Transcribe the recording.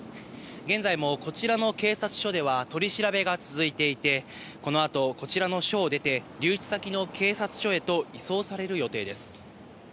現在もこちらの警察署では取り調べが続いていて、このあと、こちらの署を出て、留置先の警察署へと移送される予定です。